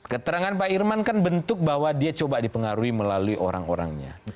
keterangan pak irman kan bentuk bahwa dia coba dipengaruhi melalui orang orangnya